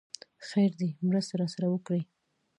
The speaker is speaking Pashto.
خير دی! مرسته راسره وکړئ!